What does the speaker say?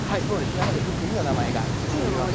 なので福井の名前がついているんですね。